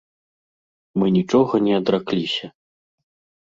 Мы нічога не адракліся.